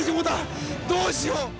どうしよう。